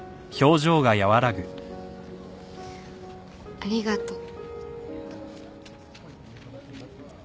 ありがとう。